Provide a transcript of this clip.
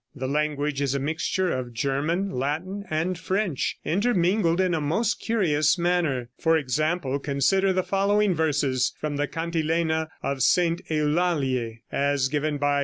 The language is a mixture of German, Latin and French, intermingled in a most curious manner. For example, consider the following verses from the cantilena of St. Eulalie, as given by M.